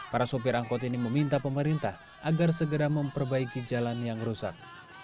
para sopir angkot ini meminta pemerintah agar segera memperbaiki jalan yang rusak